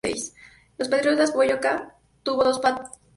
En Patriotas Boyacá tuvo dos pasos destacados en la segunda división.